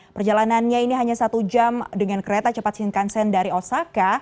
perjalanannya ini hanya satu jam dengan kereta cepat shinkansen dari osaka